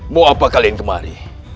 mau apa kalian kemari